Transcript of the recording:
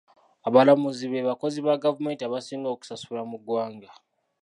Abalamuzi be bakozi ba gavumenti abasinga okusasulwa mu ggwanga.